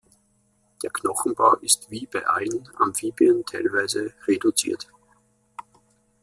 Der Knochenbau ist wie bei allen Amphibien teilweise reduziert.